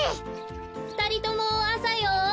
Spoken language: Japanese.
ふたりともあさよおきて。